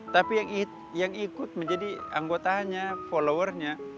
tapi yang ikut menjadi anggotanya followernya